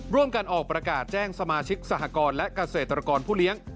ร่วมกันออกประกาศแจ้งสมาชิกสหกรและเกษตรกรผู้เลี้ยง